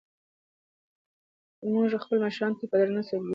موږ خپلو مشرانو ته په درنه سترګه ګورو.